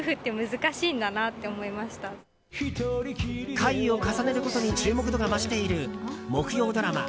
回を重ねるごとに注目度が増している木曜ドラマ